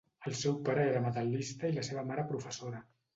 El seu pare era metal·lista i la seva mare professora.